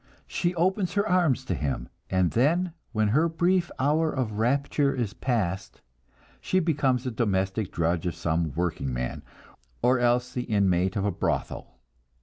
She opens her arms to him; and then, when her brief hour of rapture is past, she becomes the domestic drudge of some workingman, or else the inmate of a brothel.